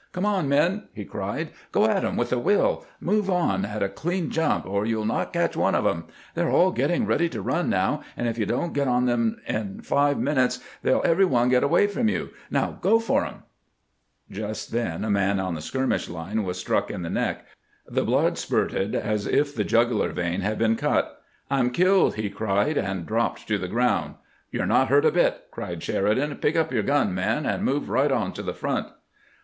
" Come on, men," he cried ;" go at 'em with a will ! Move on at a clean jump, or you '11 not catch one of 'em. They 're all getting ready to run now, and if you don't get on to them in five minutes they '11 every one get away from you ! Now go for them !" Just then a man on the skirmish line was struck in the neck; the blood spurted as if the jugular vein had been cut. " I 'm killed !" he cried, and dropped to the ground. " You 're not hurt a bit !" cried Sheridan. "Pick up your gun, man, and move right on to the front."